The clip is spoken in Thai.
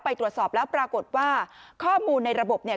ไปตรวจสอบแล้วปรากฏว่าข้อมูลในระบบเนี่ย